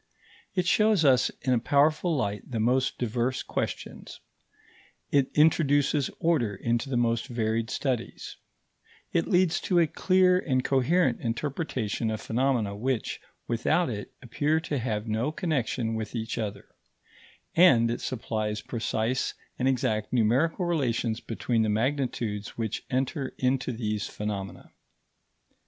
It shows us in a powerful light the most diverse questions; it introduces order into the most varied studies; it leads to a clear and coherent interpretation of phenomena which, without it, appear to have no connexion with each other; and it supplies precise and exact numerical relations between the magnitudes which enter into these phenomena.